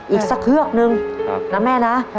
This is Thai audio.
อีกสักเฮือกนึงนะแม่นะ